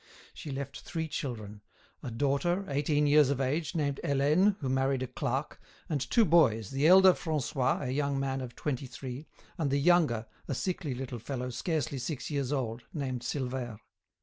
She left three children; a daughter, eighteen years of age, named Helene, who married a clerk, and two boys, the elder, Francois, a young man of twenty three, and the younger, a sickly little fellow scarcely six years old, named Silvère.